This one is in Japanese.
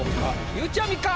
ゆうちゃみか？